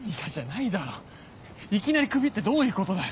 いきなりクビってどういうことだよ？